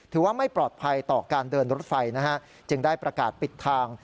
ไม่ปลอดภัยต่อการเดินรถไฟนะฮะจึงได้ประกาศปิดทาง